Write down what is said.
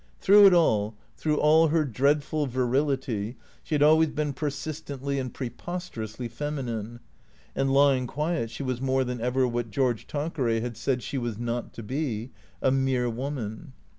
Through it all, through all her dreadful virility, she had always been persistently and preposterously feminine. And lying quiet she was more than ever what George Tanqueray had said she was not to be — a mere woman.